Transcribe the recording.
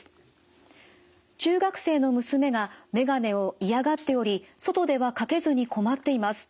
中学生の娘が眼鏡を嫌がっており外ではかけずに困っています。